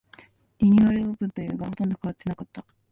リニューアルオープンというが、ほとんど変わってなかった